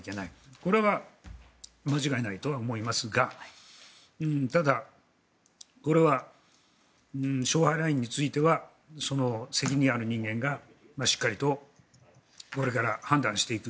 これは間違いないとは思いますがただ、これは勝敗ラインについては責任ある人間がしっかりとこれから判断していく。